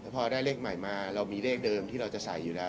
พอได้เลขใหม่มาเรามีเลขเดิมที่เราจะใส่อยู่แล้ว